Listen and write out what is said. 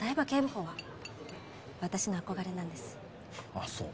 あっそう？